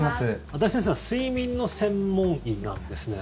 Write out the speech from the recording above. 安達先生は睡眠の専門医なんですね。